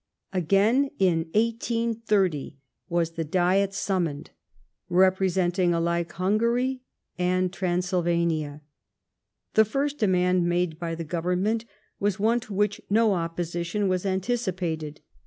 Again, in 1830, was the Diet summoned, representing alike Hungary and Transylvania. The first demand made by the Government was one to which no opposition was anticipated.